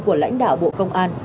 của lãnh đạo bộ công an